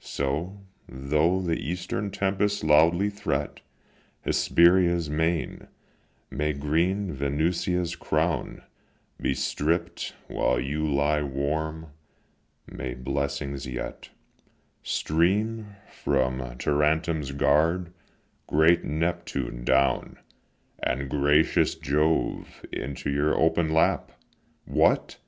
So, though the eastern tempests loudly threat Hesperia's main, may green Venusia's crown Be stripp'd, while you lie warm; may blessings yet Stream from Tarentum's guard, great Neptune, down, And gracious Jove, into your open lap! What!